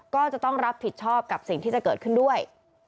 ก็จะต้องรับผิดชอบกับสิ่งที่จะเกิดขึ้นด้วย